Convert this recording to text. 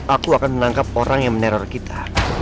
aku akan menangkap orang yang meneror kita